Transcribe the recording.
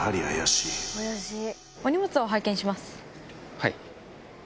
はい。